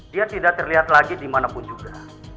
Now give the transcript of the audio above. dia tidak terlihat lagi dimanapun juga